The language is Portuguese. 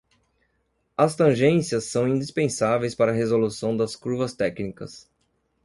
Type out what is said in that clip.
As tangências são indispensáveis para a resolução das curvas técnicas.